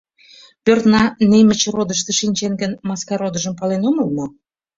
— Пӧртна Немычродышто шинчен гын, Маскародыжым пален омыл мо?